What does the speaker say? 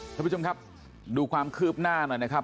ท่านผู้ชมครับดูความคืบหน้าหน่อยนะครับ